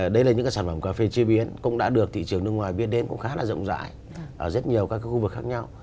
đây là những sản phẩm cà phê chế biến cũng đã được thị trường nước ngoài biết đến cũng khá là rộng rãi ở rất nhiều các khu vực khác nhau